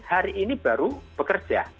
hari ini baru bekerja